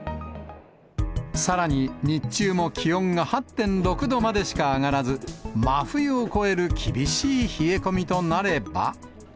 さらに、日中も気温が８．６度までしか上がらず、真冬を超える厳しい冷え込みとなれば。